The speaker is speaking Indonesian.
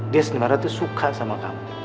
dia seniman rata tuh suka sama kamu